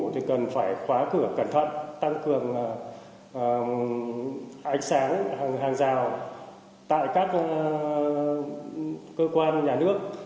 thì cần phải khóa cửa cẩn thận tăng cường ánh sáng hàng rào tại các cơ quan nhà nước